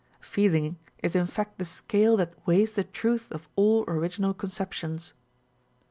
Feeling is in fact the scale that weighs the truth of ail original conceptions.